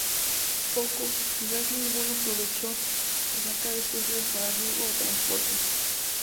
Poco, quizás ningún provecho, se saca de estos ríos para riego o transporte.